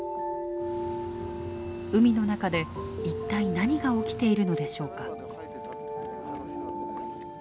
海の中で一体何が起きているのでしょうか。